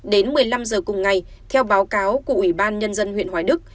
đến một mươi năm giờ cùng ngày theo báo cáo của ủy ban nhân dân huyện hoài đức